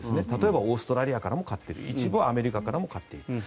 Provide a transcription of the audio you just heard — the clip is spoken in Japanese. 例えばオーストラリアから買っている一部、アメリカからも買っている。